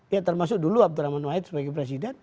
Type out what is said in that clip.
ya termasuk dulu abdurrahman wahid sebagai presiden